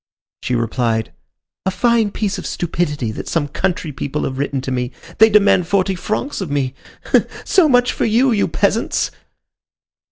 She replied: "A fine piece of stupidity that some country people have written to me. They demand forty francs of me. So much for you, you peasants!"